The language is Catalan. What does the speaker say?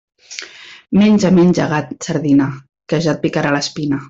Menja, menja, gat, sardina, que ja et picarà l'espina.